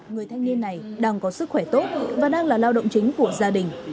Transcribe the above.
người thanh niên này đang có sức khỏe tốt và đang là lao động chính của gia đình